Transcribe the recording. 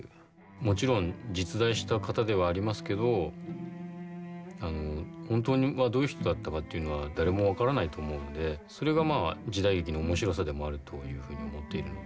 もちろん実在した方ではありますけど本当はどういう人だったかっていうのは誰も分からないと思うんでそれがまあ時代劇の面白さでもあるというふうに思っているんで